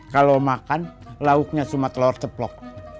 kalau makan lauknya cuma telur ceplok